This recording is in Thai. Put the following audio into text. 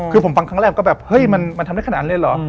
คือผมฟังครั้งแรกก็แบบเฮ้ยมันทำได้ขนาดเลยเหรอ